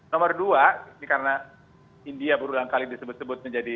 nomor dua ini karena india berulang kali disebut sebut menjadi